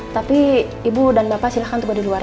tapi ibu dan bapak silahkan tunggu di luar sana